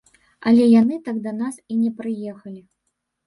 Але яны так да нас і не прыехалі.